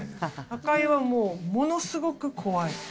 赤井はもう、ものすごい怖い。